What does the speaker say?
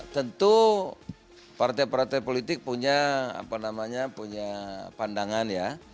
tentu partai partai politik punya pandangan ya